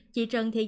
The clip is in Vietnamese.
chị trần thị dương